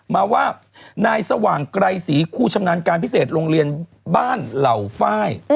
มาว่านายสว่างไกรศรีคู่ชำนาญการพิเศษโรงเรียนบ้านเหล่าฝ้าย